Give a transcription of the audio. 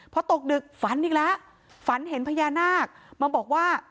พอตกดึกฝันอีกแล้วฝันเห็นพญานาคมาบอกว่า